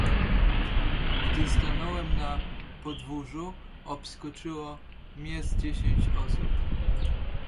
"Gdy stanęłam na podwórzu, obskoczyło mię z dziesięć osób."